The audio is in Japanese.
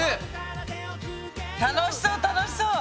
楽しそう楽しそう。